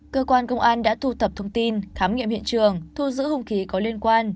cơ quan công an đã thu thập thông tin khám nghiệm hiện trường thu giữ hùng khí có liên quan